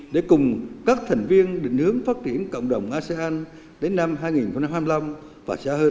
để cùng các thành viên định hướng phát triển cộng đồng asean đến năm hai nghìn hai mươi năm và xa hơn